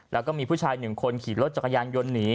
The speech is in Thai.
แล้วก็มีผู้ชายหนึ่งคนขี่รถจักรยานยนต์หนี